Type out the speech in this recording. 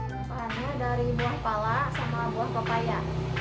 pembuatannya dari buah pala sama buah pepaya